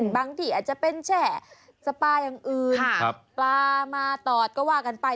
บางทีอาจจะเป็นแช่สปาอย่างอื่นปลามาตอดก็ว่ากันไป